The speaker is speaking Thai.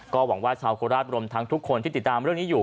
ก็หวังว่าชาวโคราชรวมทั้งทุกคนที่ติดตามเรื่องนี้อยู่